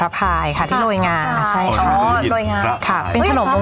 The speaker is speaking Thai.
แปลงจัดนม